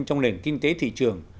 trong nền kinh tế thị trường